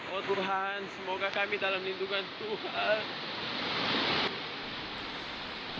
oh tuhan semoga kami dalam lindungan tuhan